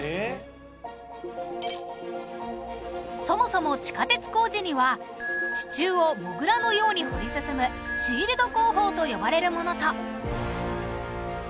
そもそも地下鉄工事には地中をモグラのように掘り進むシールド工法と呼ばれるものと